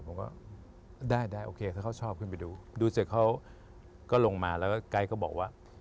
ผมก็ได้โอเคเขาชอบดูดูเสร็จเค้าก็ลงมาแล้วก็กลายเขาบอกว่า